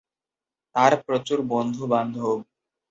তার প্রচুর বন্ধু-বান্ধব।